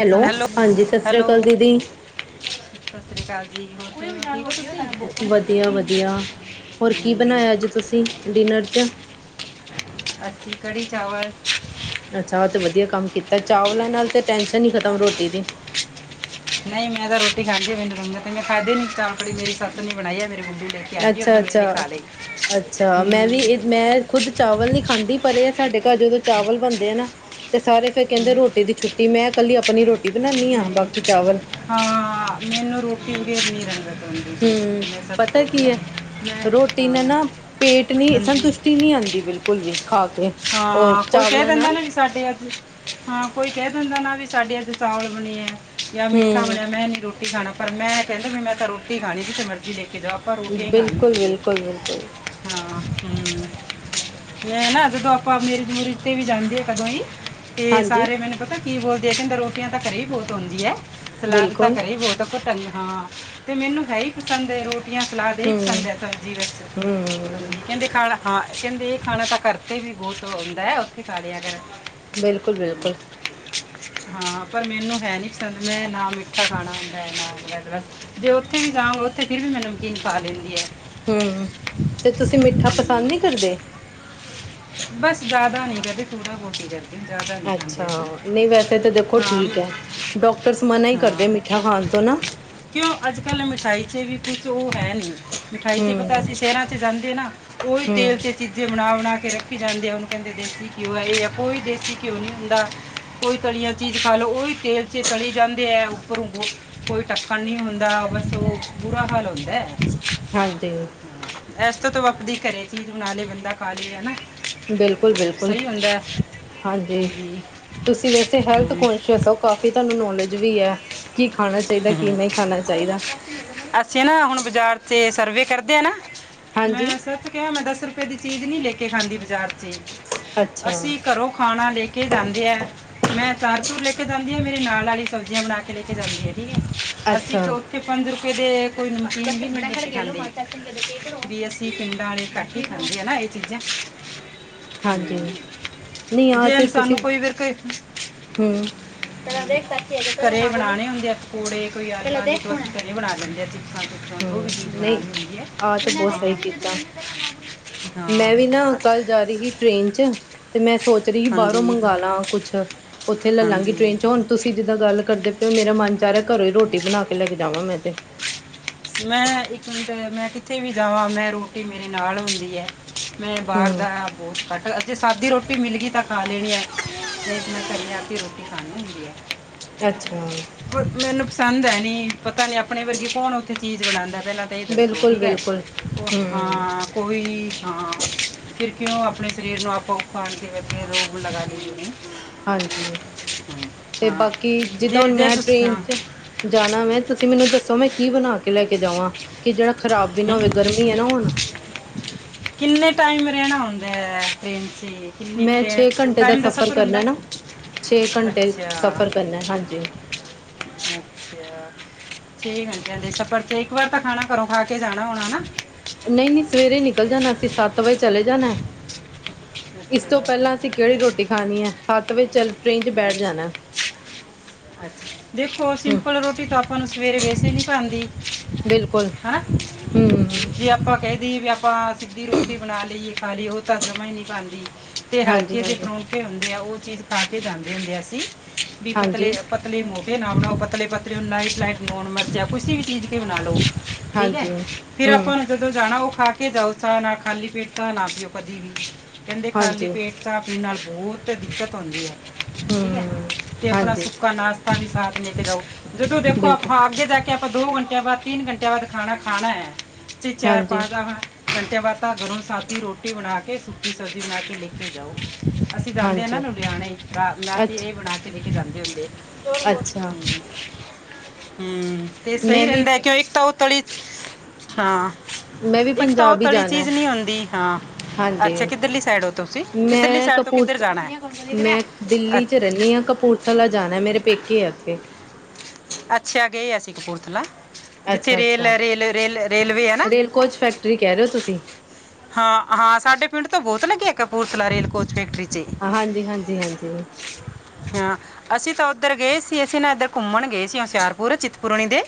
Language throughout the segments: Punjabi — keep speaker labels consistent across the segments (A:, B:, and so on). A: ਹੈਲੋ ਹਾਂਜੀ ਸਤਿ ਸ੍ਰੀ
B: ਹੈਲੋ
A: ਅਕਾਲ ਦੀਦੀ
B: ਸਤਿ ਸ੍ਰੀ ਅਕਾਲ ਜੀ ਹੋਰ ਕਿਵੇਂ ਹੋ ਠੀਕ ਹੋ ਤੁਸੀਂ
A: ਵਧੀਆ-ਵਧੀਆ ਹੋਰ ਕੀ
B: ਹਮ,
A: ਬਣਾਇਆ ਅੱਜ ਤੁਸੀਂ ਡਿਨਰ ਚ
B: ਅਸੀਂ ਕੜੀ ਚਾਵਲ
A: ਅੱਛਾ ਉਹ ਤੇ ਵਧੀਆ ਕੰਮ ਕੀਤਾ ਚਾਵਲਾਂ ਨਾਲ ਤੇ ਟੈਸ਼ਨ ਹੀ ਖਤਮ ਰੋਟੀ ਦੀ
B: ਨਹੀਂ ਮੈਂ ਤਾਂ ਰੋਟੀ ਖਾਗੀ ਮੈਨੂੰ ਰੰ ਤੇ ਮੈਂ ਖਾਧੇ ਨੀ ਚਾਵਲ ਕੜੀ ਮੇਰੀ ਸੱਸ ਨੇ ਬਣਾਈ ਹ ਮੇਰੀ ਮੰਮੀ ਲਈ ਕਿਹਾ ਜੀ ਉ
A: ਅੱਛਾ
B: ਦਵੇੇ
A: ਅੱਛਾ
B: ਨੇ ਖਾ ਲ
A: ਅੱਛਾ ਮੈਂ
B: ਹਮ
A: ਵੀ
B: [unintelligible]
A: ਇਹ ਮੈਂ ਖੁੱਦ ਚਾਵਲ ਨੀ ਖਾਂਦੀ ਪਰ ਇਹ ਆ ਸਾਡੇ ਘਰ ਜਦੋਂ ਚਾਵਲ ਬਣਦੇ ਆ ਨਾ ਤੇ ਸਾਰੇ ਫੇਿਰ ਕਹਿੰਦੇ
B: ਹਮ,
A: ਰੋਟੀ ਦੀ ਛੁੱਟੀ ਮੈਂ ਕੱਲੀ ਆਪਣੀ ਰੋਟੀ ਬਣਾਉਾਨਦੀ ਹਾਂ ਬਾਕੀ
B: ਨਹੀਂ
A: ਚਾਵਲ
B: ਹਾਂ ਮੈਨੂੰ ਰੋਟੀ ਬਗੈਰ ਨਹੀਂ ਰਹਿੰਦਾ
A: ਹਮ ਪਤਾ ਕੀ ਹੈ
B: ਮੈਂ
A: ਰੋਟੀ ਨਾਲ
B: ਹਾਂ
A: ਨਾ ਪੇਟ ਨ
B: ਹਾਂਜੀ
A: ਸੰਤੁਸ਼ਟੀ ਨਹੀਂੀ ਆਉਂਦੀ ਬਿਲਕੁਲ ਵੀ ਖਾ ਕੇ
B: ਹਾਂ ਕੋਈ ਕਹਿ
A: ਚਾਵਲਾਂ
B: ਦਿੰਦਾ
A: ਨਾਲ
B: ਨਾ ਵੀ ਸਾਡੇ ਅੱ ਹਾਂ ਕੋਈ ਕਹਿ ਦਿੰਦਾ ਨਾ ਵੀ ਸਾਡੇ ਅੱਜ ਚਾਵਲਬਣੇ ਹੈ ਜਾਂ ਮਿੱਠਾ
A: ਹਮ
B: ਬਣਿਆ ਮੈਂ ਨੀ ਲੇ ਰੋਟੀ ਖਾਣਾ ਪਰ ਮੈਂ ਕਹਿੰਦਾ ਵੀ ਮੈਂ ਤਾਂ ਰੋਟੀ ਖਾਣੀ ਜਿੱਥੇ ਮਰਜ਼ੀ ਲੇ ਕੇ ਜਾਓ ਆਪਾਂ ਰੋਟੀਆਂ ਹੀ
A: ਬਿਲਕੁਲ
B: ਖਣੀਆਂੁੰਦੀ
A: ਬਿਲਕੁਲ ਬਿਲਕੁਲ
B: ਹਾਂ ਹਮ ਮੈਂ ਜਦੋਂ ਆਪ ਭਾਵੇਂ ਦੂਰੱਤੇ ਵੀ ਜਾਂਦੇ ਆ ਕਦੋਂ ਹੀ ਤੇ
A: ਹਾਂਜੀ
B: ਸਾਰੇ ਮੈਨੂੰ ਪਤਾ ਕੀ ਬੋਲਦੇ ਕਹਿੰਦਾ ਰੋਟੀਆਂ ਤਾਂ ਘਰੇ ਹੀ ਬਹੁਤ ਆਉਦੀ ਹੈ ਸਲਾਦ ਤਾਂ
A: ਬਿਲਕੁਲ
B: ਘਰੇ ਹੀ ਬਹੁਤ ਘਟ ਹਾਂ ਤੇ ਮੈਨੂੰ ਹੈ ਹੀ ਪਸੰਦ ਹੈ ਰੋਟੀ ਸਲਾਦ ਇਹਹੀ
A: ਹੂੰ
B: ਪਸੰਦ ਹੈ ਸਬਜ਼ੀ
A: ਹੂੰ
B: ਵਿੱਚ ਕਹਿੰਦੇ ਖਾਲੈ ਹਾਂ ਕਹਿੰਦੇ ਇਹ ਖਾਣਾ ਤਾਂ ਘਰ ਤੇ ਵੀ ਬਹੁਤ ਆਉਂਦਾ ਹੈ ਉੱਥੇ ਖਾ ਲਿਆ ਕਰ ਹੰਮ
A: ਹਮ [inaudible]
B: ਹਾਂ ਪਰ ਮੈਨੂੰ ਹੈ ਨੀ ਪਸੰਦ ਮੈਂ ਨਾ ਮਿੱਠਾ ਖਾਣਾ ਹੁੰਦਾ ਹੈ ਨਾ ਜੇ ਉੱਥੇ ਵੀ ਜਾਵਾਂ ਉੱਥੇ ਫੇਿਰ ਵੀ ਮੈਨੂੰ ਨਮਕੀਨ ਖਾ ਲਈਦੀ
A: ਹੰਮ ਤੇ ਤੁਸੀਂ ਮਿੱਠਾ
B: ਹਮ,
A: ਪਸੰਦ ਨਹੀਂ ਕਰਦੇ
B: ਬਸ ਜ਼ਿਆਦਾ ਨੀ ਕਦੇ ਥੋੜਾ ਬਹੁਤ ਜਾ
A: ਅੱਛਾ ਨਹੀਂ ਵੈਸੇ ਤਾਂ ਦੇਖੋ ਠੀਕ
B: ਹਾਂ
A: ਹੈ ਡਾਕਟਰਸ ਮਨਾ ਹੀ ਕਰਦੇ
B: ਹਾਂ
A: ਮਿੱਠਾ ਖਾਂ ਤੋਂ ਨਾ
B: ਕਿਉਂ ਅੱਜ ਕੱਲ ਮਿਠਾਈ ਚ ਵੀ ਕੁਛ ਉਹ ਹੈ ਨੀ ਮਿਠਾਈ ਤੇ ਪਤਾ ਅ
A: ਹੂੰ
B: ਸੀ ਸ਼ਹਿਰਾਂ 'ਚ ਜਾਂਦੇ ਨਾ ਉਹਹੀ ਤੇਲ
A: ਹੂੰ
B: ' ਚੀਜ਼ੇ ਬਣਾ- ਬਣਾ ਫਿਰ ਜਾਂਦੇ ਆ ਉਹਨੂੰ ਕਹਿੰਦੇ ਦੇਸੀ ਘਿਓ ਇਹ ਆ ਕੋਈ ਦੇਸੀ ਘਿਓ ਨੀ ਹੁੰਦਾ ਕੋਈ ਤਲੀਆਂ ਚੀਜ਼ ਖਾ ਲੋਓ ਉਹੀ ਤੇਲ ਚ ਤਲੀ ਜਾਂਦੇ ਹੈ ਉੱਪਰੋਂ ਕੋਈ ਟੱਕਣ ਨਹੀਂ ਹੁੰਦਾ ਬਸ ਉਹ ਬੁਰਾ ਹਾਲ ਹੁੰਦਾ
A: ਹਾਂਜੀ
B: ਇਸ ਤੋ ਤਾਂ ਆਪਦੀ ਘਰੇ ਚੀਜ ਬਣਾ ਲਏ ਬੰਦਾ ਖਾ ਲਾਏ ਹਨਾ
A: ਬਿਲਕੁ- ਬਿਲਕੁਲ
B: ਸਹੀ ਹੁੰਦਾ
A: ਹਾਂਜੀ ਤੁਸੀਂ ਵੈਸੇ ਹੈਲਥ
B: ਹਾਂ।
A: ਕੋਨਸ਼ੀਅਸ ਓ ਕਾਫੀ ਤੁਹਾਨੂੰ ਨੌਲੇਜ ਵੀ ਐ ਕੀ ਖਾਣਾ ਚਾਹੀਦਾ ਕੀ ਨਹੀਂ ਖਾਣਾ ਚਾਹੀਦਾ
B: ਅਸੀਂ ਨਾ ਹੁਣ ਬਾਜ਼ਾਰ ਚ ਸਰਵੇ ਕਰਦੇ ਆ ਨਾ ਮੈਂ
A: ਹਾਂਜੀ
B: ਸਰ ਨੂੰ ਕਿਹਾ ਮੈਂ ਕਿਹਾ ਸਰ ਕਦੀ ਚੀਜ਼ ਨੀ ਲੈ ਕੇ ਖਾਂਦੀ ਬਾਜ਼ਾਰ ਚ ਈ,
A: ਅੱਛਾ
B: ਅਸੀਂ ਘਰੋਂ ਖਾਣਾ ਲੈ ਕੇ ਜਾਂਦੇ ਆ ਮੈਂ ਚਾਰ ਚੂਰ ਲੈ ਕੇ ਜਾਂਦੀ ਆ ਮੇਰੇ ਨਾਲੀ ਸਬਜ਼ੀਆਂ ਬਣਾ ਕੇ ਲੈ ਕੇ ਜਾਂਦੀ ਆ ਅਸੀਂ
A: ਅੱਛਾ
B: ਚੌਥ ਪੰਜ ਰੁਪਏ ਦੇ ਕੋਈ ਮਤਲਬ ਈ ਨੀ ਵੀ ਅਸੀਂ ਪਿੰਡਾਂ ਆਲੇ ਖ ਕੀ ਖਾਂਦੀ ਏ ਨਾ ਇਹ ਚੀਜ਼ਾਂ
A: [inaudible] ਹਾਂਜੀ ਨਹੀਂ ਆ
B: ਜੇ
A: ਤੇ
B: ਇਨਸਾਨੂੰ
A: ਤੁਸੀਂ
B: ਕੋਈ ਵੀਰ
A: ਹੂੰ
B: ਘਰੇ ਬਣਾਣੇ ਹੁੰਦੇ ਆ ਪਕੌੜੇ ਕੋਈ ਆਲੂਆਂ ਦੀ ਘਰੇ ਹੀ ਬਣਾ ਲੈਂਦੇ ਅਸੀਂ ਘਰ ਚ ਜੋ ਵੀ
A: ਹੂੰ
B: ਚੀਜ਼
A: ਨਹੀਂ
B: ਬਣਾਉਣੀ ਹੁੰਦੀ ਐ
A: ਆਹ ਤਾਂ ਬਹੁਤ ਸਹੀ ਕੀਤਾ
B: ਖਾਣ
A: ਮੈਂ ਵੀ ਨਾ ਕੱਲ ਜਾ ਰਹੀ ਸੀ ਟ੍ਰੇਨ ਚ ਤੇ ਮੈਂ ਸੋਚ ਰਹੀ ਸੀ ਬਾਹਰੋਂ
B: ਹਾਂਜੀ
A: ਮੰਗਾਲਾ ਕੁਛ ਉੱਥੇ ਲੈ ਲਾਂਗੀ ਟਰੇੇਨ ਚ
B: ਹਾਂਜੀ
A: ਹੁਣ ਤੁਸੀਂ ਜਿੱਦਾਂ ਗੱਲ ਕਰਦੇ ਪਏ ਓ ਮੇਰਾ ਮਨ ਚ ਆ ਰਿਹਾ ਘਰੋਂ ਈ ਰੋਟੀ ਬਣਾ ਕੇ ਲੈ ਕੇ ਜਾਵਾਂ ਮੈਂ ਤੇ
B: ਮੈਂ ਇੱਕ ਮੈਂ ਕਿੱਥੇ ਵੀ ਜਾਵਾਂ ਮੈਂ ਰੋਟੀ ਮੇਰੇ ਨਾਲ ਹੁੰਦੀ ਐ ਮੈਂ ਬਾਹਰ
A: ਹੂੰ
B: ਦਾ ਬਹੁਤ ਘੱਟ ਜੇ ਸਾਦੀ ਰੋਟੀ ਮਿਲ ਗਈ ਤਾਂ ਖਾ ਲੈਣੀ ਏ ਨਹੀਂ ਤਾਂ ਮੈਂ ਘਰੇ ਆ ਕਿ ਰੋਟੀ ਖਣੀ ਹੁੰਦੀ ਐ
A: ਅੱਛਾ
B: ਮੈਨੂੰ ਪਸੰਦ ਹੈ ਨੀ ਪਤਾ ਨੀ ਆਪਣੇ ਵਰਗੀ ਕੌਣ ਉੱਥੇ ਚੀਜ਼ ਬਣਾਉਦਾ ਪਹਿਲਾਂ ਸਹੀ ਦੱਸੋ
A: ਬਿਲਕੁਲ
B: ਠੀਕ ਏ
A: ਬਿਲਕੁਲ
B: ਉਹ
A: ਹੂੰ
B: ਹਾਂ ਕੋਈ ਹਾਂ ਫਿਰ ਕਿਉਂ ਆਪਣੇ ਸਰੀਰ ਨੂੰ ਆਪੋ ਖਾਣ ਤੇ ਰੋਗ ਲਗਾ ਲਈਏ
A: ਹਾਂਜੀ ਤੇ
B: ਹਾਂ
A: ਬਾਕੀ ਜਿੱਦਾਂ
B: ਜੇ
A: ਹੁਣ
B: ਜੇ
A: ਮੈਂ
B: ਤੁਸੀਂ
A: ਟ੍ਰੇਨ
B: ਹਾਂ
A: ਚ ਜਾਣਾ ਮੈਂ ਤੁਸੀਂ ਮੈਨੂੰ ਦੱਸੋ ਮੈਂ ਕੀ ਬਣਾ ਕੇ ਲੈ ਕੇ ਜਾਵਾਂ ਕਿ ਜਿਹੜਾ ਖਰਾਬ ਵੀ ਨਾ
B: ਹੂੰ।
A: ਹੋਵੇ ਗਰਮੀ ਏ ਨਾ ਹੁਣ
B: ਕਿੰਨੇ ਟਾਈਮ ਰਹਿਣਾ ਹੂੰਦਾ ਟ੍ਰੇਨ ਚ ਜੀ
A: ਮੈਂ ਛੇ ਘੰਟੇ ਦਾ ਸਫ਼ਰ ਕਰਨਾ ਨਾ ਛੇ ਘੰਟੇ ਸਫ਼ਰ ਕਰਨਾ ਹਾਂਜੀ
B: ਅੱਛਾ ਅੱਛਾ ਛੇ ਘੰਟਿਆਂ ਦੇ ਸਫ਼ਰ ਤੇ ਇੱਕ ਵਾਰ ਤਾਂ ਖਾਣਾ ਘਰੋਂ ਖਾ ਕੇ ਜਾਣਾ ਹੋਣਾ ਨਾ
A: ਨਹੀਂ ਨਹੀਂ ਸਵੇਰੇ ਨਿਕਲ ਜਾਣਾ ਅਸੀਂ ਸੱਤ ਵਜੇ ਚਲੇ ਜਾਣਾ ਇਸ ਤੋਂ
B: ਅੱਛਾ
A: ਪਹਿਲਾਂ ਅਸੀਂ ਕਿਹੜੀ ਰੋਟੀ ਖਾਣੀ ਹੈ ਸੱਤ ਵਜੇ ਚੱਲ ਟ੍ਰੇਨ ਚ ਬੈਠ
B: ਅੱਛਾ
A: ਜਾਣਾ
B: ਅੱਛਾ ਦੇਖੋ
A: ਹਮ
B: ਸਿੰਪਲ ਰੋਟੀ ਤ ਆਪਾਂ ਨੂੰ ਸਵੇਰੇ ਵੈਸੇ ਨੀ ਪਾਂਦੀ
A: ਬਿਲਕੁਲ
B: ਹਨਾ
A: ਹਮ
B: ਜੇ ਆਪਾਂ ਕਹਿ ਵੀ ਆਪਾਂ ਸਿੱਧੀ ਰੋਟੀ ਬਣਾ ਲਈਏ ਖਾ ਲਈਏ ਉਹ ਤਾਂ ਜਮਾਂ ਈ ਨੀ ਬਣਦੀ ਤੇ
A: ਹਾਂਜੀ
B: ਹਲਕੇ ਜੇ
A: ਹਾਂਜੀ
B: ਪਰੋਂਠੇ ਇਕਠੇ ਹੁੰਦੇ ਆ ਉਹ ਚੀਜ਼ ਖਾ ਕੇ ਜਾਂਦੇ ਹੁੰਦੇ ਆ ਅਸੀਂ ਵੀ
A: ਹਾਂਜੀ
B: ਪਤਲੇ ਪਤਲੇ ਮੋਟੇ‌ ਨਾ ਬਣਾਓ ‌ਪਤਲੇ ਪਤਲੇ ਲਾਈਟ ਲਾਈਟ ਲੂਣ ਮਿਰਚਾਂ ਕਿਸ ਵੀ ਚੀਜ਼ ਕੇ ਬਣਾ ਲਓ ਠੀਕ ਹੈ
A: ਹਾਂਜੀ
B: ਫਿਰ
A: ਹਮ
B: ਆਪਾਂ ਨੂੰ ਜਦੋਂ ਜਾਣਾ ਉਹ ਖਾ ਕੇ ਜਾਓ ਤਾਂ ਚਾਹ ਨਾਲ ਖਾਲੀ ਪੇਟ ਚਾਹ ਨਾ ਪੀਓ ਕਦੇ ਵੀ ਕਹਿੰਦੇ ਖਾਲੀ
A: ਹਾਂਜੀ
B: ਪੇਟ ਚਾਹ ਪੀਣ ਨਾਲ ਬਹੁਤ ਦਿੱਕਤ ਆਉਂਦੀ ਏ ਠੀਕ ਹੈ
A: ਹਮ
B: ਤੇ ਆਪਣਾ
A: ਹਾਂਜੀ
B: ਸੁੱਕਾ ਨਾਸ਼ਤਾ ਵੀ ਸਾਥ ਲੈਕੇ ਜਾਓ ਜਦੋਂ ਦੇਖੋ
A: ਬਿਲਕੁਲ
B: ਆਪਾਂ ਅੱਗੇ ਜਾਕੇ ਜੇ ਆਪਾਂ ਦੋ ਘੰਟਿਆਂ ਬਾਅਦ ਤਿੰਨ ਘੰਟਿਆਂ ਬਾਅਦ ਖਾਣਾ ਖਾਣਾ ਹੈ ਤੇ ਚਾਰ
A: ਹਾਂਜੀ
B: ਪਾ ਦਾ ਘੰਟੇ ਬਾਅਦ ਤਾਂ ਗਰਮ ਸਾਦੀ ਰੋਟੀ ਬਣਾ ਕੇ ਸੁਕੀ ਸਬਜ਼ੀ ਬਣਾ ਕੇ ਲੈ ਕੇ ਜਾਓ। ਅਸੀਂ ਜਾਂਦੇ ਆ ਨਾ
A: ਹਾਂਜੀ
B: ਲੁਧਿਆਣੇ ਤਾਂ ਮਾਸੀ
A: ਅੱਛ
B: ਇਹ ਬਣਾ ਕੇ ਲੈ ਕੇ ਜਾਂਦੇ ਹੁੰਦੇ।
A: ਅੱਛਾ
B: ਹੂੰ ਹੂੰ ਤੇ ਸਹੀ
A: ਮੈਂ ਵੀ
B: ਰਹਿੰਦਾ ਕਿਉਂ ਇੱਕ ਤਾਂ ਓ ਤਲੀ, ਹਾਂ
A: ਮੈਂ ਵੀ
B: ਇੱਕ ਤਾਂ ਓ
A: ਪੰਜਾਬ ਹੀ
B: ਤਲੀ
A: ਜਾਣਾ
B: ਚੀਜ਼ ਨੀ ਆਦੀ ਹਾਂ।
A: ਹਾਂਜੀ
B: ਅੱਛਾ ਕਿੱਧਰਲੀ ਸਾਈਡ ਹੋ ਤੁਸੀਂ ਕਿੱਧਰਲੀ
A: ਮੈਂ
B: ਸਾਈਡ ਤੋਂ
A: ਕਪੂਰ
B: ਕਿੱਧਰ ਜਾਣਾ?
A: ਮੈਂ ਦਿੱਲੀ 'ਚ
B: ਅੱਛ-
A: ਰਹਿੰਦੀ ਹਾਂ ਕਪੂਰਥਲਾ ਜਾਣਾ ਮੇਰੇ ਪੇਕੇ ਆ ਉੱਥੇ
B: ਅੱਛਾ ਗਏ ਅਸੀਂ ਕਪੂਰਥਲਾ। ਜਿੱਥੇ
A: ਅੱਛਾ
B: ਰੇਲ
A: ਅੱਛਾ
B: ਐ ਰੇਲ ਰੇਲ, ਰੇਲਵੇ ਐ ਨਾ?
A: ਰੇਲ ਕੋਚ ਫੈਕਟਰੀ ਕਹਿ ਰਹੇ ਹੋ ਤੁਸੀਂ
B: ਹਾਂ ਹਾਂ ਸਾਡੇ ਪਿੰਡ ਤੋਂ ਬਹੁਤ ਲੱਗੇ ਕਪੂਰਥਲਾ ਰੇਲ ਕੋਚ ਫੈਕਟਰੀ 'ਚ।
A: ਹਾ ਹਾਂਜੀ, ਹਾਂਜੀ ਹਾਂਜੀ ਹ
B: ਹਾਂ ਅਸੀਂ ਤਾਂ ਉੱਧਰ ਗਏ ਸੀ ਅਸੀਂ ਨਾ ਇੱਧਰ ਘੁੰਮਣ ਗਏ ਸੀ ਹੁਸ਼ਿਆਰਪੁਰ ਚਿੱਤਪੁਰਨੀ ਦੇ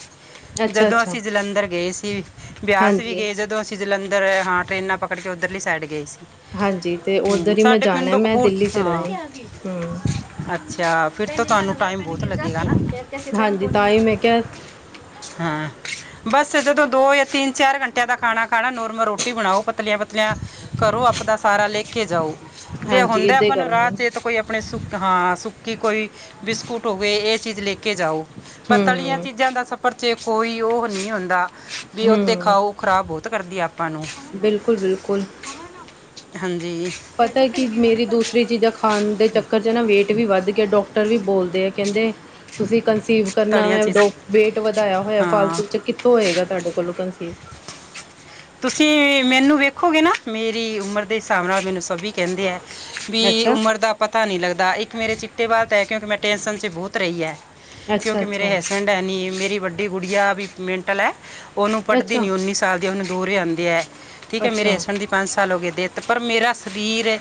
A: ਅੱਛਾ
B: ਜਦੋਂ
A: ਅੱਛਾ
B: ਅਸੀਂ ਜਲੰਧਰ ਗਏ ਸੀ ਬਿਆਸ ਵੀ
A: ਹਾਂਜੀ
B: ਗਏ ਜਦੋਂ ਅਸੀਂ ਅਸੀਂ ਜਲੰਧਰ ਹਾਂ ਟਰੇਨਾਂ ਪਕੜ ਕੇ ਉੱਧਰਲੀ ਸਾਈਡ ਗਏ ਸੀ।
A: ਹਾਂਜੀ ਤੇ
B: ਹੂੰ
A: ਉੱਧਰ ਹੀ ਮੈਂ
B: ਸਾਡੇ
A: ਜਾਣਾ
B: ਪਿੰਡੋਂ
A: ਮੈਂ ਦਿੱਲੀ ਚ
B: ਕਪੂਰਥੱਲਾ
A: ਰਹਿੰਦੀ ਹਮ
B: ਅੱਛਾ ਫਿਰ ਤੋਂ ਤੁਹਾਨੂੰ ਟਾਈਮ ਬਹੁਤ ਲੱਗੇਗਾ ਨਾ?
A: ਹਾਂਜੀ ਤਾਂ ਹੀ ਮੈਂ ਕਿਹਾ?
B: ਹੂੰ ਬਸ ਜਦੋਂ ਦੋ ਜਾਂ ਤਿੰਨ ਚਾਰ ਘੰਟਿਆਂ ਦਾ ਖਾਣਾ ਖਾਣਾ ਨੋਰਮਲ ਰੋਟੀ ਬਣਾਓ ਪਤਲੀਆਂ-ਪਤਲੀਆਂ। ਘਰੋ ਆਪਣਾ ਸਾਰਾ ਲੇਕੇ ਜਾਓ, ਜੇ
A: ਹਾਂਜੀ
B: ਹੁੰਦਾ
A: ਏਦਾਂ ਹੀ
B: ਆਪਾਂ ਨੂੰ ਰਾਹ
A: ਕਰਾਂਗੇ
B: ਚੇਤ ਕੋਈ ਆਪਣੇ ਸੁੱਕ ਹਾਂ ਸੁੱਕੀ ਕੋਈ ਬਿਸਕੁਟ ਹੋਵੇ ਇਹ ਚੀਜ਼ ਲੈ ਕੇ ਜਾਓ, ਪਤਲੀਆਂ
A: ਹਮ
B: ਚੀਜ਼ਾਂ ਦਾ ਸਫ਼ਰ ਚ ਕੋਈ ਉਹ ਨਹੀਂ ਹੁੰਦਾ, ਵੀ ਉੱਥੇ
A: ਹਮ
B: ਖਾਓ ਖ਼ਰਾਬ ਬੋਤ ਕਰਦੀ ਆਪਾਂ ਨੂੰ।
A: ਬਿਲਕੁਲ ਬਿਲਕੁਲ।
B: ਹਾਂਜੀ।
A: ਪਤੈ ਕੀ ਮੇਰੀ ਦੂਸਰੀ ਚੀਜ਼ਾਂ ਖ ਖਾਣ ਦੇ ਚੱਕਰ 'ਚ ਨਾ ਵੇਟ ਵੀ ਵੱਧ ਗਿਆ ਡੋਕਟਰ ਵੀ ਬੋਲਦੇ ਆ ਕਹਿੰਦੇ, ਤੁਸੀਂ ਕੰ ਕਨਸੀਵ ਕਰਨਾ
B: ਤਲੀਆਂ
A: ਵ,
B: ਚੀਜ਼
A: ਵੇਟ ਵਧਾਇਆ ਹੋਇਆ
B: ਹਾਂ
A: ਫਾਲਤੂ ਚ ਕਿੱਥੋਂ ਹੋਏਗਾ ਤੁਹਾਡੇ ਕੋਲੋਂ ਕਨਸੀਵ।
B: ਤੁਸੀਂ ਮੈਨੂੰ ਵੇਖੋਗੇ ਨਾ ਮੇਰੀ ਉਮਰ ਦੇ ਹਿਸਾਬ ਨਾਲ ਮੈਨੂੰ ਸਭੀ ਕਹਿੰਦੇ ਐ ਵੀ
A: ਅੱਛਾ
B: ਉਮਰ ਦਾ ਪਤਾ ਨਹੀਂ ਲੱਗਦਾ ਇੱਕ ਮੇਰੇ ਚ ਤੇ ਬਾਅਤ ਕ ਕਿਉਂਕਿ ਮੈਂ ਟੈਂਨਸ਼ਨ 'ਚ ਬਹੁਤ ਰਹੀ ਐ
A: ਅੱਛਾ
B: ਕਿਉਂਕਿ ਮੇਰੇੇ
A: ਅੱਛਾ
B: ਹੈਸ ਬੈਂਡ ਹੈ ਨੀ ਮੇਰੀ ਵੱਡੀ ਗੁੜੀਆ ਵੀ ਮੈਟਲ ਐ। ਉਹਨੂੰ ਪੜ੍ਹਦੀ
A: ਅੱਛਾ
B: ਨੀ ਉੱਨੀ ਸਾਲ ਦੀ ਉਹਨੂੰ ਡੋਰੇ ਆਂਦੇ ਐ, ਠੀਕ ਹੈ ਮੇਰੇ
A: ਅੱਛਾ
B: ਹਸਬੈਂਡ ਦੀ ਪੰਜ ਸਾਲ ਹੋ ਗਏ ਡੈਥ, ਪਰ ਮੇਰਾ ਸਰੀਰ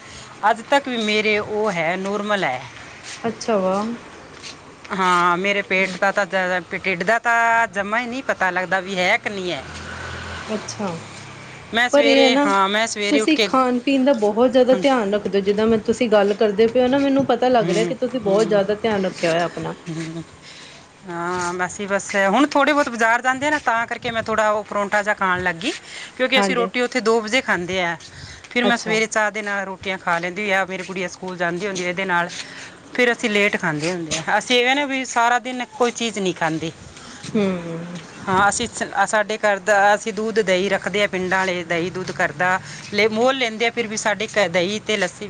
B: ਅੱਜ ਤੱਕ ਵੀ ਮੇਰੇ ਉਹ ਹੈ ਨੋਰਮਲ ਐ।
A: ਅੱਛਾ ਵਾ।
B: ਹਾਂ ਮੇਰੇ ਪੇਟ ਦਾ ਤਾਂ ਜਿਆਦਾ ਢਿੱਡ ਦਾ ਤਾਂ ਜਮਾਂ ਈ ਨੀ ਪਤਾ ਲੱਗਦਾ ਵੀ ਹੈ ਕਿ ਨੀ ਐ।
A: ਅੱਛਾ
B: ਮੈਂ
A: ਪਰ ਇਹ ਹੈ
B: ਸਵੇਰੇ
A: ਨਾ,
B: ਹਾਂ ਮੈਂ ਸਵੇਰੇ ਉੱਠ
A: ਤੁਸੀਂ
B: ਕੇ ਹਮ,
A: ਖਾਣ ਪੀਣ ਦਾ ਬਹੁਤ ਜ਼ਿਆਦਾ ਧਿਆਨ ਰੱਖਦੇ ਹੋ ਜਿੱਦਾਂ ਮੈਂ ਤੁਸੀਂ ਗੱਲ ਕਰਦੇ ਪਏ ਹੋ ਨਾ ਮੈਨੂੰ ਪਤਾ ਲੱਗ ਰਿਹਾ
B: ਹੂੰ
A: ਕਿ ਤੁਸੀਂ ਬਹੁਤ
B: ਹੂੰ
A: ਜ਼ਿਆਦਾ ਧਿਆਨ ਰੱਖਿਆ ਹੋਇਆ ਆਪਣਾ। [inaudible]
B: ਹਾਂ ਬਸ ਹੀ ਬਸ, ਹੁਣ ਥੋੜ੍ਹੇ ਬੋਤ ਬਾਜ਼ਾਰ ਜਾਂਦੇ ਆ ਨਾ ਤਾਂ ਕਰਕੇ ਮੈਂ ਥੋੜ੍ਹਾ ਉਹ ਪਰੋਠਾ ਜਾ ਖਾਣ ਲੱਗੀ। ਕਿਉਂਕਿ ਅਸੀਂ
A: ਹਾਂਜੀ
B: ਰੋਟੀ ਉੱਥੇ ਦੋ ਵਜੇ ਖਾਂਦੇ ਐ, ਫਿਰ ਮੈਂ
A: ਅੱਛਾ
B: ਸਵੇਰੇ ਚਾਹ ਦੇ ਨਾਲ ਰੋਟੀ ਰੋਟੀਆਂ ਖਾ ਲੈਂਦੀ ਆਪਣੀ, ਮੇਰੀ ਗੁੜੀਆ ਸਕੂਲ ਜਾਂਦੀ ਹੁੰਦੀ ਏ ਫੇਰ ਅਸੀਂ ਲੇਟ ਖਾਂਦੇ ਹੁੰਦੇ ਆ ਅਸੀਂ ਇਹ ਵੇਂ ਨਾ ਵੀ ਸਾਰਾ ਦਿਨ ਕੋਈ ਚੀਜ਼ ਨੀ ਖਾਂਦੇ।
A: ਹੂੰ
B: ਹਾਂ ਅਸੀਂ ਸ- ਸਾਡੇ ਘਰ ਦਾ ਅਸੀਂ ਦੁੱਧ ਦਹੀਂ ਰੱਖਦੇ ਹਾਂ ਪਿੰਡਾਂ ਵਾਲੇ ਦਹੀਂ ਦੁੱਧ ਘਰ ਦਾ ਲੇ ਮੋਲ ਲੈਂਦੇ ਆ ਫਿਰ ਵੀ ਸਾਡੇ ਘਰ ਦਹੀਂ ਤੇ ਲੱਸੀ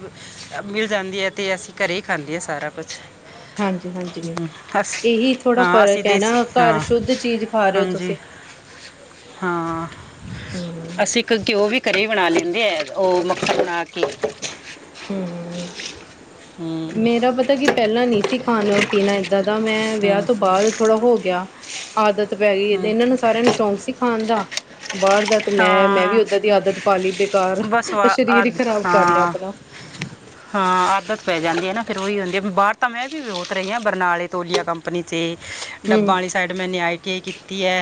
B: ਮਿਲ ਜਾਂਦੀ ਹੈ। ਤੇ ਅਸੀਂ ਘਰੇ ਖਾਂਦੇ ਆ ਸਾਰਾ ਕੁਛ।
A: ਹਾਂਜੀ-ਹਾਂਜੀ, ਇਹੀ ਥੋੜਾ
B: ਹਾਂ ਅਸੀਂ
A: ਫ਼ਰਕ ਹੈ
B: ਦੇਸੀ
A: ਨਾ ਘਰ
B: ਹਾਂ
A: ਸ਼ੁੱਧ ਚੀਜ ਖਾ ਰੇ ਓ
B: ਹਾਂਜੀ
A: ਤੁਸੀਂ। [inaudible]
B: ਹਾਂ। ਅਸੀਂ ਘ-ਘਿਓ ਵੀ ਘਰੇ ਬਣਾ ਲੈਂਦੇ ਐ, ਓ ਮੱਖਣ ਬਣਾ ਕੇ।
A: ਹੰ-ਹੰ-ਹੰ।
B: ਹੰ।
A: ਮੇਰਾ ਪਤਾ ਕੀ ਪਹਿਲਾਂ ਨੀ ਸੀ ਖਾਣਾ ਪੀਣਾ ਏਦਾਂ ਦਾ ਮੈਂ ਵਿਆਹ
B: ਹੂੰ
A: ਤੋਂ ਬਾਅਦ ਥੋੜ੍ਹਾ ਹੋ ਗਿਆ ਆਦਤ ਪੈ ਗਈ ਏ, ਤੇ
B: ਹੂੰ
A: ਇਹਨਾਂ ਨੂੰ ਸਾਰਿਆਂ ਨੂੰ ਸ਼ੌਂਕ ਸੀ ਖਾਣ ਦਾ। ਬਾਹਰ ਦਾ ਤੇ ਮੈਂ-ਮੈਂ ਵੀ
B: ਹਾਂ
A: ਓਦਾਂ ਦੀ ਆਦਤ ਪਾ ਲਈ ਬੇਕਾਰ,
B: ਬਸ ਵਾ
A: ਸਰੀਰ ਈ
B: ਆਦ
A: ਖ਼ਰਾਬ ਕਰ ਲਿਆ
B: ਹਾਂ
A: ਆਪਣਾ।
B: ਹਾਂ ਆਦਤ ਪੈ ਜਾਂਦੀ ਐ ਨਾ, ਫ਼ਿਰ ਓਹੀ ਹੁੰਦੀ ਆ ਬਾਹਰ ਤਾਂ ਮੈਂ ਵੀ ਬਹੁਤ ਰਹੀ ਹਾਂ ਬਰਨਾਲੇ ਤੋਲੀਆਂ ਕੰਮ ਨੀਚੇ ਡੱਬਾਂ
A: ਹੂੰ
B: ਵਾਲੀ ਸਾਈਡ ਮੈਂ ਨਿਆਏ ਕੇ ਕੀਤੀ ਏ,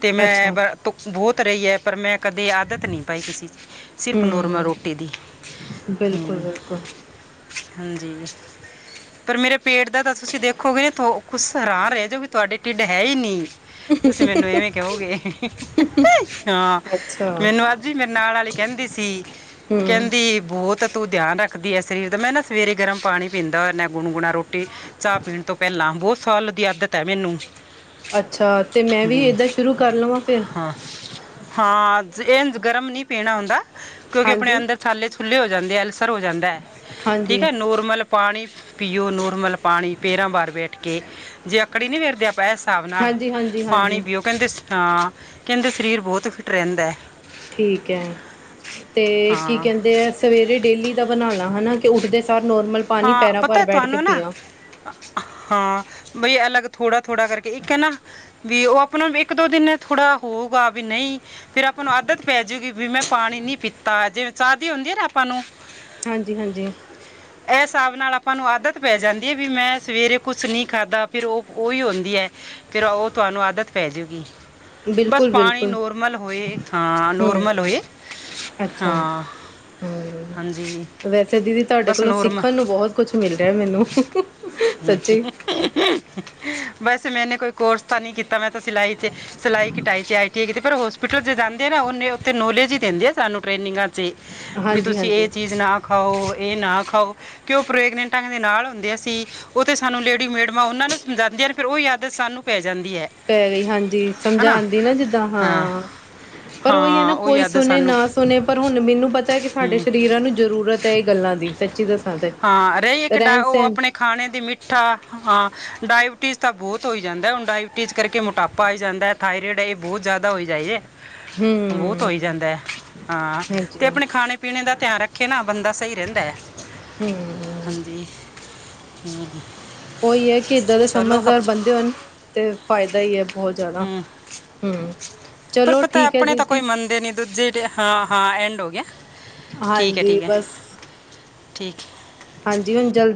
B: ਤੇ ਮੈਂ
A: ਅੱਛਾ
B: ਭੁਖ ਬਹੁਤ ਰਹੀ ਹੈ, ਪਰ ਮੈਂ ਕਦੇ ਆਦਤ ਨਹੀਂ ਪਾਈ ਕਿਸੇ ਸਿਰਫ਼ ਨੋਰਮਲ
A: ਹੂੰ
B: ਰੋਟੀ ਦੀ, ਹੰ।
A: [inaudible]
B: ਹਾਂਜੀ। ਪਰ ਮੇਰੇ ਪੇਟ ਦਾ ਤਾਂ ਤੁਸੀਂ ਦੇਖੋਗੇ ਤੋ ਕੁਝ ਸਰਾਹ ਰਹਿ ਜੇਵੀ ਤੁਹਾਡੇ ਢਿੱਡ ਹੈ ਹੀ ਨੀ। ਤੁਸੀਂ ਮੈਨੂੰ ਇਵੇਂ ਕਹੋਗੇ, [unintelligible] ਹਾਂ
A: ਅੱਛਾ
B: ਮੈਨੂੰ ਅ ਮੇਰੇ ਨਾਲ ਆਲੀ ਕਹਿੰਦੀ ਸੀ,
A: ਹੂੰ
B: ਕਹਿੰਦੀ ਬਹੁਤ ਤੂੰ ਧਿਆਨ ਰੱਖਦੀ ਇ ਸਰੀਰ ਤੇ ਮੈਂ ਨਾ ਸਵੇਰੇ ਗਰਮ ਪਾਣੀ ਪੀਂਦਾ, ਨੇ ਗੁਨਗੁਣਾ ਰੋਟੀ ਚਾਹ ਪੀਣ ਤੋਂ ਪਹਿਲਾਂ ਬਹੁਤ ਸਾਲ ਦੀ ਆਦਤ ਹੈ ਮੈਨੂੰ।
A: ਅੱਛਾ ਤੇ ਮੈਂ ਵੀ
B: ਹੂੰ
A: ਇਏਦਾਂ ਸ਼ੁਰੂ ਕਰ ਲਵਾਂ ਫਿਰ
B: ਹਾਂ ਹਾਂ ਜਿ ਇਂਜ ਗਰਮ ਨਹੀਂ ਪੀਣਾ ਹੁੰਦਾ ਕਿਉਂਕਿ ਆਪਣੇ
A: ਹਾਂਜੀ
B: ਅੰਦਰ ਛਾਲੇ ਛੁੱਲੇ ਹੋ ਜਾਂਦੇ ਆ ਅਲਸਰ ਹੋ ਜਾਂਦਾ ਏ ਠੀਕ
A: ਹਾਂਜੀ
B: ਹੈ ਨੋਰਮਲ ਪਾਣੀ ਪੀਓ, ਨੋਰਮਲ ਪਾਣੀ ਪੇਰਾਂ ਬਾਹਾਰ ਬੈਠ ਕੇ ਜੇ ਅਕੜੀ ਨੀ ਫਿਰਦੇ ਆ ਬੈਸ ਹਿਸਾਬ ਨਾਲ,
A: ਹਾਂਜੀ ਹਾਂਜੀ
B: ਪਾਣੀ
A: ਹਾਂਜੀ
B: ਪੀਓ ਕਹਿੰਦੇ ਅ ਕਹਿੰਦੇ ਸਰੀਰ ਬਹੁਤ ਫਿੱਟ ਰਹਿੰਦਾ ਹੈ।
A: ਠੀਕੇ ਤੇ ਕੀ
B: ਹਾਂ
A: ਕਹਿੰਦੇ ਆ ਸਵੇਰੇ ਡੇਲੀ ਦਾ ਬਨਾਣਾ ਹੈ ਨਾ ਕਿ ਉੱਠਦੇ ਸਾਰ ਨੋਰਮਲ ਪਾਣੀ
B: ਹਾਂ,
A: ਪੈਰਾਂ ਭਰ
B: ਪਤਾ
A: ਬੈਠ ਕੇ
B: ਤੁਹਾਨੂੰ ਨਾ
A: ਪੀਆ
B: ਹਾਂ, ਬਈ ਅਲੱਗ ਥੋੜਾ-ਥੋੜਾ ਕਰਕੇ ਇੱਕ ਹੈ ਨਾ ਵੀ ਉਹ ਆਪਣਾ ਇੱਕ ਦੋ ਦਿਨ ਥੋੜਾ ਹੋਊਗਾ ਵੀ ਨਹੀਂ ਫੇਰ ਆਪਾਂ ਨੂੰ ਆਦਤ ਪੈਜੂਗੀ ਵੀ ਮੈਂ ਪਾਣੀ ਨੀ ਪੀਤਾ ਜਿਵੇਂ ਚਾਹ ਦੀ ਹੁੰਦੀ ਹੈ ਨਾ ਆਪਾਂ ਨੂੰ।
A: ਹਾਂਜੀ-ਹਾਂਜੀ।
B: ਇਸ ਹਿਸਾਬ ਨਾਲ ਆਪਾਂ ਨੂੰ ਆਦਤ ਪੈ ਜਾਂਦੀ ਏ ਵੀ ਮੈਂ ਸਵੇਰੇ ਕੁਛ ਨੀ ਖਾਧਾ ਫਿਰ ਉਹ-ਉਹੀ ਹੁੰਦੀ ਹੈ ਫਿਰ ਉਹ ਤੁਹਾਨੂੰ ਆਦਤ ਪੈਜੂਗੀ ਬਸ
A: ਬਿਲਕੁਲ
B: ਪਾਣੀ
A: ਬਿਲਕੁਲ
B: ਨੋਰਮਲ ਹੋਏ, ਹਾਂ
A: ਹੂੰ
B: ਨੋਰਮਲ ਹੋਏ
A: ਅੱਛਾ
B: ਹਾਂ,
A: ਹੂੰ
B: ਹਾਂਜੀ।
A: ਵੈਸੇ ਦੀਦੀ ਤੁਹਾਡੇ
B: ਬਸ
A: ਕੋਲੋਂ
B: ਨੋਰਮਲ
A: ਸਿੱਖਣ ਨੂੰ ਬਹੁਤ ਕੁਛ ਮਿਲ ਰਿਹਾ ਮੈਨੂੰ, ਸੱਚੀ
B: ਵੈਸ ਮੈਨੇ ਕੋਈ ਕੋਰਸ ਤਾਂ ਨਹੀਂ ਕੀ ਤਾਂ ਮੈਂ ਤਾਂ ਸਿਲਾਈ ਚ ਸਲਾਈ ਕੀਟਾਈ ਚ ਆਯਟੀਆਯ ਕੀਤਾ ਭਰੋ ਹੋਸਪਿਟਲ ਜਾਂਦੇ ਨਾ ਉਹਨੇ ਉੱਥੇ ਨੌਲੇਜ ਹੀ ਦਿੰਦੇ ਆ ਸਾਨੂੰ ਟ੍ਰੇਨਿੰਗਾਂ ਚੀ ਵੀ
A: ਹਾਂਜੀ
B: ਤੁਸੀਂ
A: ਹਾਂਜੀ
B: ਇਹ ਚੀਜ਼ ਨਾ ਖਾਓ, ਇਹ ਨਾ ਖਾਓ ਕਿ ਉਹ ਪ੍ਰੇਗਨੈਂਟਾਂ ਦੇ ਨਾਲ ਹੁੰਦੇਸੀਂ ਉਹ ਤੇੇ ਸਾਨੂੰ ਰੇਡੀ ਮੇਡਮਾਂ ਉਹਨਾ ਨੂੰ ਸਮਝਾਉਂਦੀਆਂ ਫਿਰ ਉਹ ਆਦਤ ਸਾਨੂੰ ਪੈ ਜਾਂਦੀ ਹੈ।
A: ਪੈ ਗਈ ਹਾਂਜੀ
B: ਹਨਾ
A: ਸਮਝਾਨ ਦੀ ਨਾ ਜਿੱਦਾਂ ਹਾਂ ਪਰ ਓਈ ਐ ਨਾ
B: ਹਾਂ ਉਹ
A: ਕੋਈ
B: ਯਾਦ ਹੈ
A: ਸੁਨੇ
B: ਸਾਨੂੰ
A: ਨਾ ਸੁਨੇ ਪਰ ਹੁਨ ਮੈਨੂੰ ਪਤਾ ਐ ਕੇ ਸਾਡੇ
B: ਹੂੰ
A: ਸਰੀਰਾਂ ਨੂੰ ਜ਼ਰੂਰਤ ਤਾਂ ਏ ਗੱਲਾਂ ਦੀ ਸੱਚੀ ਦੱਸ
B: ਹਾਂ ਰਈ ਇੱਕ ਡਾ ਓ ਆਪਨੇ ਖਾਨੇ ਦੀ ਮਿੱਠਾ ਹਾਂ ਡਾਇਬਟੀਜ਼ ਤਾਂ ਬੋਤ ਹੋਈ ਜਾਂਦਾ ਹੁਨ ਡਾਇਬਟੀਜ਼ ਕਰਕੇ ਮੋਟਾਪਾ ਆਈ ਜਾਂਦੈ। ਥਾਈਰੇਡ ਏਹ ਬਹੁ ਜ਼ਾਦਾ ਹੋਈ ਜਾਈਏ। ਬੋਤ
A: ਹੂੰ
B: ਹੋਈ ਜਾਂਦਾ ਐ ਹਾਂ
A: ਹਾਂਜੀ
B: ਤੇ ਆਪਨੇ ਖਾਨੇ ਪੀਨੇ ਦਾ ਧਿਆਨ ਰੱਖੇ ਨਾ ਬੰਦਾ ਸਈ ਰੈਂਦਾ।
A: ਹੂੰ।
B: ਹਾਂਜੀ, ਹੂੰ।
A: ਓਈ ਐ ਕੇ ਇੱਦਾਂ ਦੇ ਸਮਝਦਾਰ ਬੰਦੇ ਹੋਨ ਤੇ ਫਾਇਦਾ ਈ ਐ ਬਹੁ ਜ਼ਾਦਾ
B: ਹੂੰ
A: ਹੂੰ।
B: ਪਰ
A: ਚਲੋ
B: ਪਤਾ
A: ਠੀਕ ਹੈ
B: ਆਪਨੇ ਤਾਂ ਕੋਈ
A: ਦੀਦੀ
B: ਮੰਨਦੇ ਨੀ ਦੂਜੇ ਦੇ ਹਾਂ-ਹਾਂ ਐਂਡ ਹੋ ਗੇਆ।
A: ਹਾਂਜੀ ਬਸ
B: ਠੀਕ
A: ਹਾਂਜੀ ਹੁਨ ਜਲ